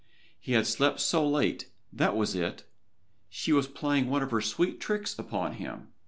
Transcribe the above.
He had slept so late, that was it. She was playing one of her sweet tricks upon him.